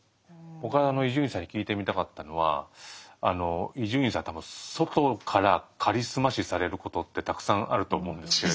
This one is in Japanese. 僕は伊集院さんに聞いてみたかったのは伊集院さん多分外からカリスマ視されることってたくさんあると思うんですけど。